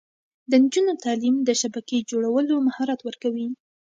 د نجونو تعلیم د شبکې جوړولو مهارت ورکوي.